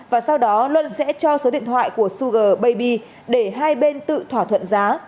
và sau đó luân sẽ cho số điện thoại của sugle baby để hai bên tự thỏa thuận giá